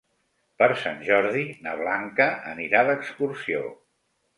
Per Sant Jordi na Blanca anirà d'excursió.